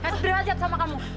sederhajat sama kamu